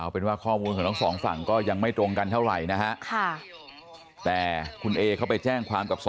ผมว่าสมมุติผมจบอยู่แล้วที่